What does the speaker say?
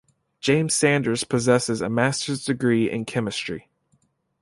James Sanders possesses a master's degree in chemistry.